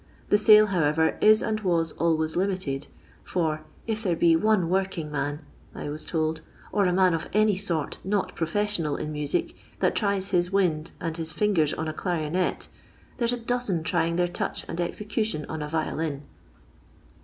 The sale, however, is and was always limited, for " if there be one working man," I was told, " or a man of any sort not pro fessional in music, that tries his wind and his fingers on a clarionet, there 's a dozen trying their touch and execution on a violin."